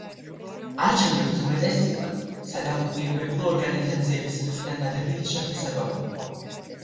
არჩევნებს უმეტესწილად, სადამკვირვებლო ორგანიზაციების მხრიდან დადებითი შეფასება მოჰყვა.